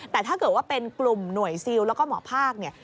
แต่ถ้าเกิดว่าเป็นกลุ่มหน่วยซิลแล้วก็หมอภาคเนี่ย